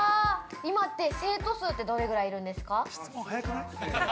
今って生徒数ってどれくらいいるんですか。